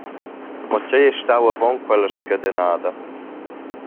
Mo tgei ei stau avon quella scadenada?